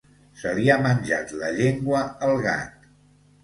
Se li ha menjat la llengua el gat.